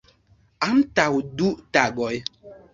Antaŭ du tagoj.